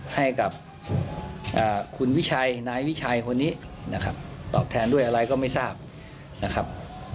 ให้กับคุณวิชัยนายวิชัยคนนี้นะครับตอบแทนด้วยอะไรก็ไม่ทราบนะครับ